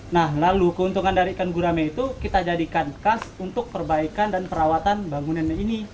nah lalu keuntungan dari ikan gurame itu kita jadikan khas untuk perbaikan dan perawatan bangunannya ini